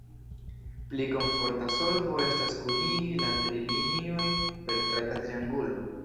Pli komforta solvo estas kunigi la tri liniojn per traka triangulo.